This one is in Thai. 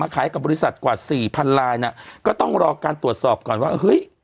ขายกับบริษัทกว่าสี่พันลายน่ะก็ต้องรอการตรวจสอบก่อนว่าเฮ้ย